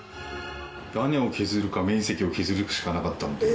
屋根を削るか面積を削るしかなかったので。